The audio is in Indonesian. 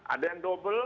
ada yang double